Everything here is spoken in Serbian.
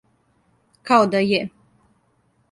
Као да је.